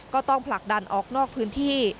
ก็ต้องผลักดันออกนอกพื้นที่